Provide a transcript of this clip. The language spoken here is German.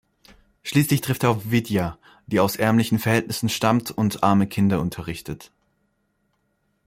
Schließlich trifft er auf Vidya, die aus ärmlichen Verhältnissen stammt und arme Kinder unterrichtet.